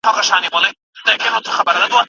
د څېړنې کړنلاره مصنونیت یقیني کوي.